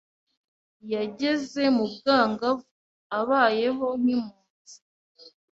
yageze mu bwangavu abayeho nk’impunzi.